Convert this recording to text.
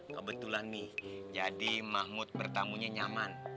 kebetulan nih jadi mahmud bertamunya nyaman